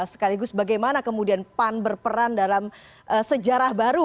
sekaligus bagaimana kemudian pan berperan dalam sejarah baru